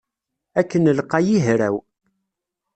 Akken lqay i hraw.